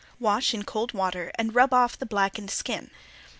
Wash in cold water and rub off the blackened skin.